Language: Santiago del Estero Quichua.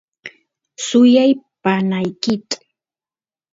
suyay panaykit